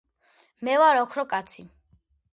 მე ვარ ოქრო კაცი